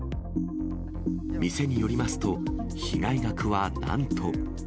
店によりますと、被害額はなんと。